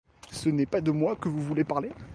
Ce n'est pas de moi que vous voulez parler ?